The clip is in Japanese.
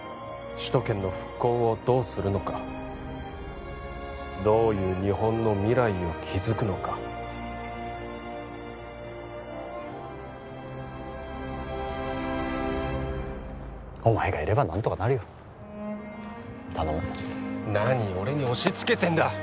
首都圏の復興をどうするのかどういう日本の未来を築くのかお前がいれば何とかなるよ頼む何俺に押しつけてんだ